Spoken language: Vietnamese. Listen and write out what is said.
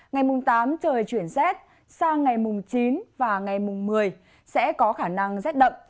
ngày mùng tám trời chuyển rét sang ngày mùng chín và ngày mùng một mươi sẽ có khả năng rét đậm